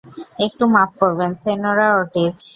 একটু মাফ করবেন, সেনোরা অর্টিজ?